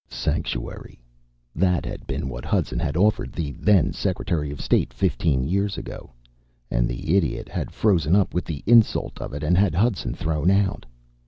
Sanctuary that had been what Hudson had offered the then secretary of state fifteen years ago and the idiot had frozen up with the insult of it and had Hudson thrown out.